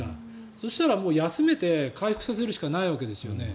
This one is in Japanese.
そしたら休めて回復させるしかないわけですよね。